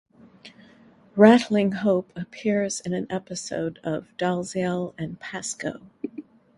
Ratlinghope appears in an episode of Dalziel and Pascoe.